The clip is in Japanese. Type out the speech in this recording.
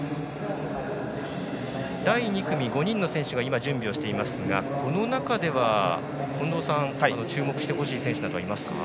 第２組、５人の選手が準備をしていますがこの中では近藤さん注目してほしい選手などはいますか？